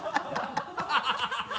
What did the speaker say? ハハハ